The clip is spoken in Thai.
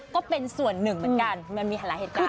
ก็เป็นส่วนหนึ่งเหมือนกันมันมีหลายเหตุการณ์